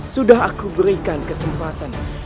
sudah aku berikan kesempatan